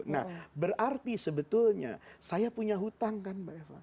nah berarti sebetulnya saya punya hutang kan mbak eva